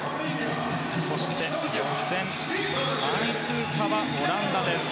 そして、予選３位通過はオランダです。